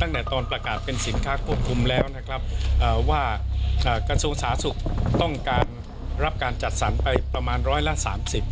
ตั้งแต่ตอนประกาศเป็นสินค้าครบคุมแล้วนะครับไม่แน่ว่ากระทรวงศาสตร์ศุกร์ต้องแก่รับการจัดสรรไปประมาณร้อยละ๓๐